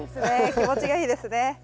気持ちがいいですね。